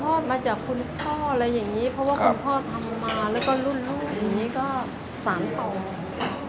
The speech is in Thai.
เพราะว่าคุณพ่อทำมาแล้วก็รุ่นอย่างนี้ก็สามต่อ